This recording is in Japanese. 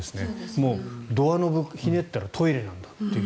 もうドアノブひねったらトイレなんだと。